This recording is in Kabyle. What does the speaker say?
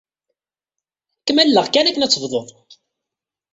Ad kem-alleɣ kan akken ad tebdud.